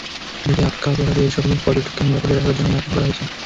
দ্বীপে আটকে পড়া দেড় শতাধিক পর্যটককে নিরাপদে থাকার জন্য মাইকিং করা হয়েছে।